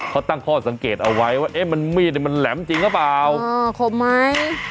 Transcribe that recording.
เขาตั้งข้อสังเกตเอาไว้ว่าเอ๊ะมันมีดมันแหลมจริงหรือเปล่าขมไหม